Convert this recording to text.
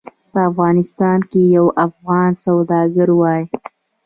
په افغانستان کې یو افغان سوداګر وایي.